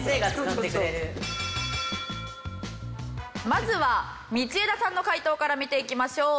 まずは道枝さんの解答から見ていきましょう。